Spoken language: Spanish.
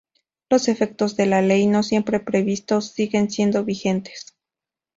Los efectos de la ley, no siempre previstos, siguen siendo vigentes.